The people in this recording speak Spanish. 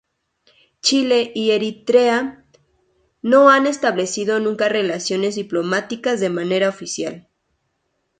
Chile y Eritrea no han establecido nunca relaciones diplomáticas de manera oficial.